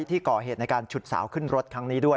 ที่ก่อเหตุในการฉุดสาวขึ้นรถครั้งนี้ด้วย